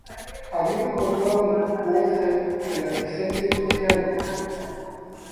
Habiendo encontrado en "Qu'est-ce que la science sociale?